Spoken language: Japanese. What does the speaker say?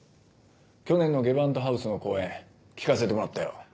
去年のゲヴァントハウスの公演聴かせてもらったよ。